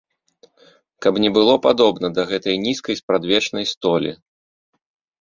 Каб не было падобна да гэтай нізкай спрадвечнай столі.